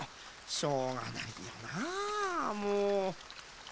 しょうがないよなあもう。